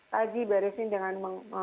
kaji beresin dengan